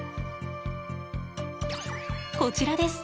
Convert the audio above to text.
こちらです。